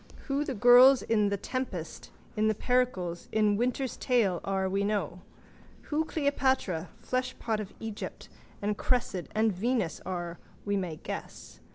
Who the girls in The Tempest, in Pericles, in Winter's Tale are we know. Who Cleopatra, fleshpot of Egypt, and Cressid and Venus are we may guess.